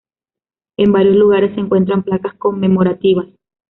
En varios lugares se encuentran placas conmemorativas.